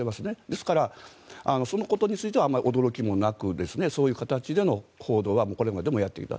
ですから、そのことについてはあまり驚きもなくそういう形での報道はこれまでもやってきた。